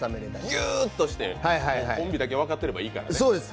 ギューっとして、コンビだけ分かってればいいからね。